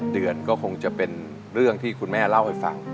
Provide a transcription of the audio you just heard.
เดือนก็คงจะเป็นเรื่องที่คุณแม่เล่าให้ฟัง